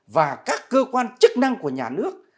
và các cơ quan chức năng của nhà nước